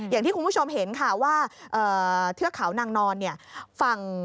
อย่างที่คุณผู้ชมเห็นค่ะว่าเทือกเขานางนอนเนี่ยฝั่ง